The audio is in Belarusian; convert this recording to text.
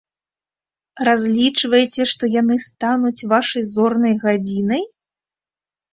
Разлічваеце, што яны стануць вашай зорнай гадзінай?